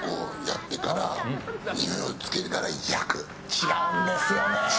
違うんですよね。